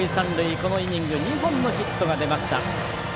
このイニング２本のヒットが出ました。